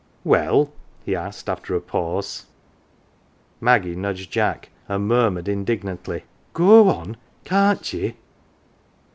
" Well ?" he asked, after a pause. Maggie nudged Jack and murmured indignantly, " Go on kian't ye